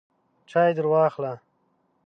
چای درواخله !